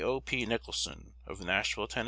O. P. Nicholson of Nashville, Tenn.